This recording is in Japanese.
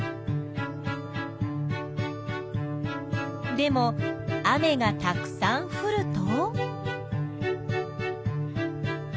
でも雨がたくさんふると。